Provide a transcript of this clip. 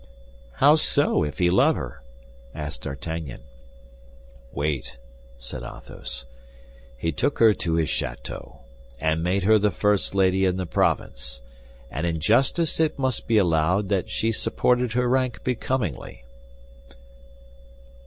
"How so, if he loved her?" asked D'Artagnan. "Wait," said Athos. "He took her to his château, and made her the first lady in the province; and in justice it must be allowed that she supported her rank becomingly."